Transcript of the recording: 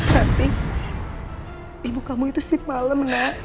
rati ibu kamu itu sleep malem nek